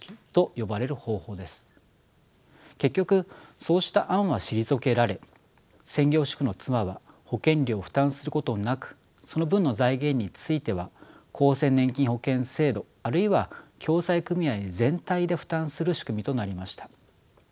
結局そうした案は退けられ専業主婦の妻は保険料を負担することなくその分の財源については厚生年金保険制度あるいは共済組合全体で負担する仕組みとなりました。